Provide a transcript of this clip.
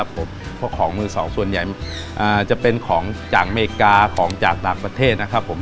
เพราะของมือสองส่วนใหญ่จะเป็นของจากอเมริกาของจากต่างประเทศนะครับผม